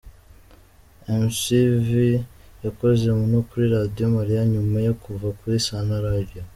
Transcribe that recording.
Mc V yakoze no kuri Radio Mariya nyuma yo kuva kuri Sana Radio.